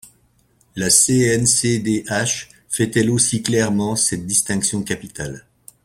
La CNCDH fait elle aussi clairement cette distinction capitale.